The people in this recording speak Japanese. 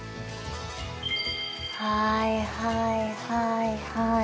はいはいはいはい。